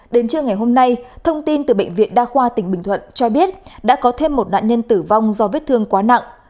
đến trưa ngày hôm nay thông tin từ bệnh viện đa khoa tỉnh bình thuận cho biết đã có thêm một nạn nhân tử vong do vết thương quá nặng